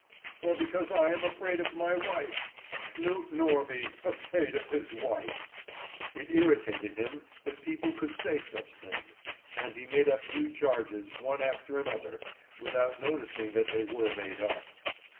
Or because I am afraid of my wife. Knut Norby afraid of his wife!" It irritated him that people could say such things, and he made up new charges one after another, without noticing that they were made up.